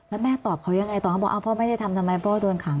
แล้วแม่ตอบเขายังไงตอนเขาบอกพ่อไม่ได้ทำทำไมพ่อโดนขัง